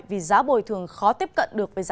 vì giá bồi thường khó trả lương